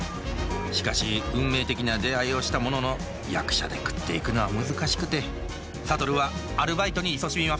しかし運命的な出会いをしたものの役者で食っていくのは難しくて諭はアルバイトにいそしみます